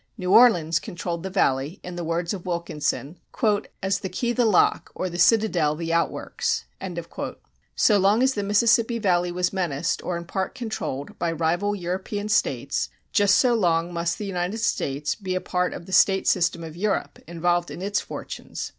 New Orleans controlled the Valley, in the words of Wilkinson, "as the key the lock, or the citadel the outworks." So long as the Mississippi Valley was menaced, or in part controlled, by rival European states, just so long must the United States be a part of the state system of Europe, involved in its fortunes.